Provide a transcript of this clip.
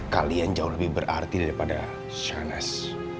kalian jauh lebih berarti daripada shanes